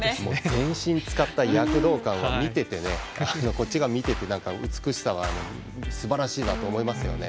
全身使った躍動感はこっちが見ていて美しさがあってすばらしいなと思いますよね。